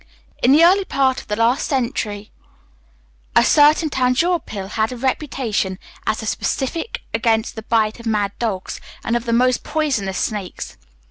In the early part of the last century, a certain Tanjore pill had a reputation as a specific against the bite of mad dogs, and of the most poisonous snakes.